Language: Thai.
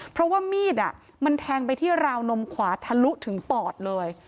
เพราะว่ามีดมันแทงไปที่ราวนมขวาทะลุถึงปอดเลย